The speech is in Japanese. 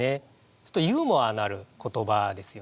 ちょっとユーモアのある言葉ですよね。